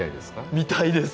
見たいです！